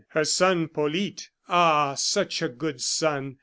Her son Polyte ah! such a good son!